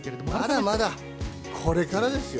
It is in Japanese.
まだまだ、これからですよ。